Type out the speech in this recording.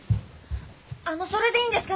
あのそれでいいんですか？